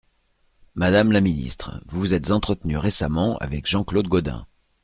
Madame la ministre, vous vous êtes entretenue récemment avec Jean-Claude Gaudin.